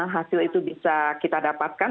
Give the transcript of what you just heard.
hasil itu bisa kita dapatkan